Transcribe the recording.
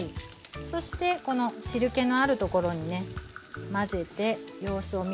そしてこの汁けのあるところにね混ぜて様子を見て下さい。